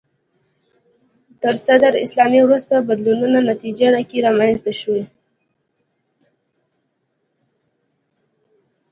تر صدر اسلام وروسته بدلونونو نتیجه کې رامنځته شوي